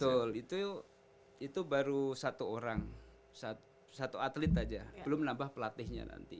betul itu baru satu orang satu atlet saja belum nambah pelatihnya nanti